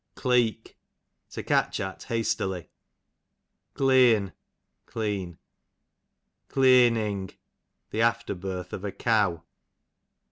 Cleek, to catch at hastily. Cleeon, clean. Cleeoning, the after birth of a cow.